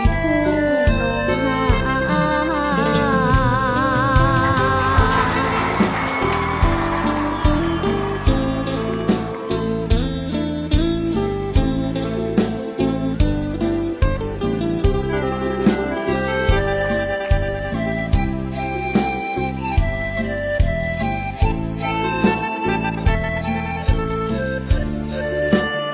โทรศัพท์นุสติ้นทุ่งน้องหาย